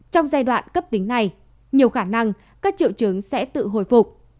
trong giai đoạn cấp tính này nhiều khả năng các triệu chứng sẽ tự hồi phục